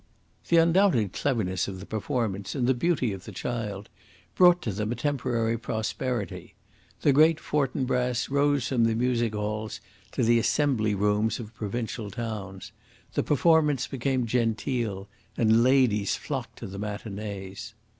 The undoubted cleverness of the performance, and the beauty of the child, brought to them a temporary prosperity. The Great Fortinbras rose from the music halls to the assembly rooms of provincial towns. The performance became genteel, and ladies flocked to the matinees.